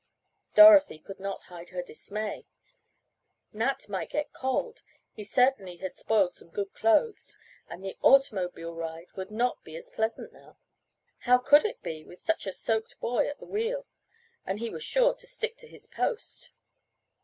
Dorothy could not hide her dismay. Nat might get cold, he certainly had spoiled some good clothes, and the automobile ride would not be as pleasant now. How could it be with such a soaked boy at the wheel? And he was sure to stick to his post.